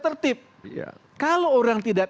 tertib kalau orang tidak